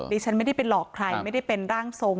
ดิฉันไม่ได้ไปหลอกใครไม่ได้เป็นร่างทรง